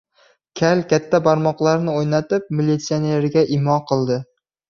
Kal katta barmoqlarini o‘ynatib, militsionerlarga imo qildi.